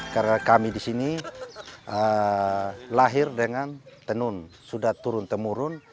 karena kami di sini lahir dengan tenun sudah turun temurun